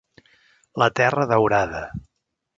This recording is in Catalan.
La terra daurada